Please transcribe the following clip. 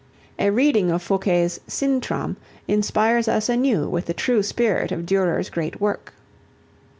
A reading of Fouqué's "Sintram" inspires us anew with the true spirit of Durer's great work.